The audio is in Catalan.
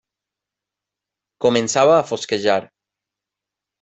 Començava a fosquejar.